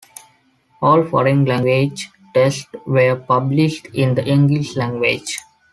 All foreign language texts were published in the English language.